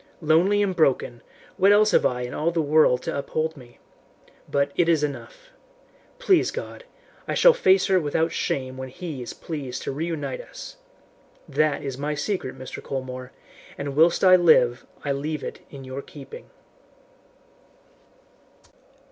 Lonely and broken, what else have I in all the world to uphold me? But it is enough. Please God, I shall face her without shame when He is pleased to reunite us! That is my secret, Mr. Colmore, and whilst I live I leave it in your keeping."